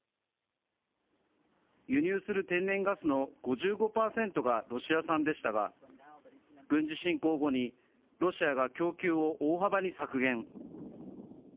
輸入する天然ガスの５５％がロシア産でしたが、軍事侵攻後にロシアが供給を大幅に削減。